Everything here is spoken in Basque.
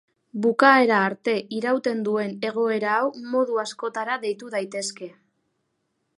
Bukaera arte irauten duen egoera hau modu askotara deitu daitezke.